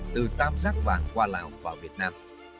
từ tam giác vàng qua lào vào việt nam